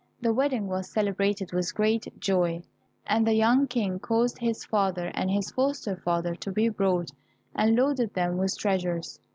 The wedding was celebrated with great joy, and the young King caused his father and his foster father to be brought, and loaded them with treasures.